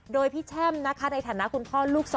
โดยพี่แช่มนะคะในฐานะคุณพ่อลูก๒